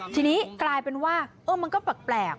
ทีนี้กลายเป็นว่ามันก็แปลก